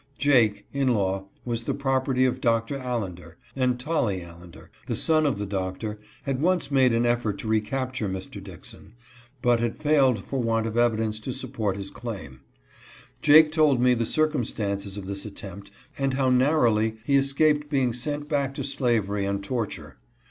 Jake, in law, was 252 A STRANGER WITHOUT MONEY OR WORK. the property of Doctor Allender, and Tolly Allender, the son of the doctor, had once made an effort to recapture Mr. Dixon, but had failed for want of evidence to support his claim. Jake told me the circumstances of this attempt and how narrowly he escaped being sent back to slavery and torture.